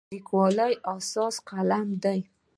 د لیکوالي اساس قلم دی.